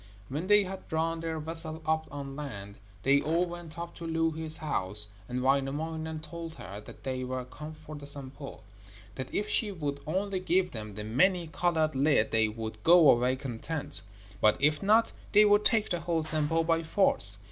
When they had drawn their vessel up on land, they all went up to Louhi's house, and Wainamoinen told her that they were come for the Sampo; that if she would only give them the many coloured lid they would go away content, but if not, they would take the whole Sampo by force.